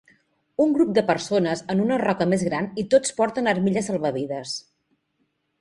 Un grup de persones en una roca més gran i tots porten armilla salvavides.